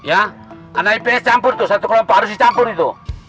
anak ips campur itu satu kelompok harus dicampur itu